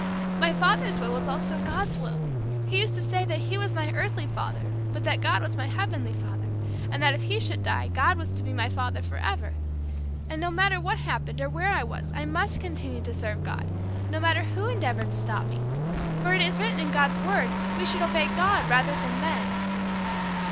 "My father's will was also God's will. He used to say that he was my earthly father but that God was my heavenly Father, and that if he should die, God was to be my Father forever. And no matter what happened, or where I was, I must continue to serve God, no matter who endeavored to stop me. For it is written in God's Word, 'We should obey God, rather than men.'"